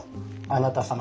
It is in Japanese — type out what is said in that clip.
あなた様。